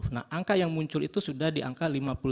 nah angka yang muncul itu sudah di angka lima puluh